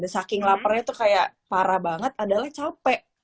saking laparnya tuh kayak parah banget adalah capek